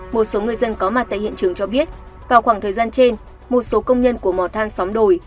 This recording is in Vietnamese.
một số người dân có mặt tại hiện trường cho biết vào khoảng thời gian trên một số công nhân của mỏ than xóm đồi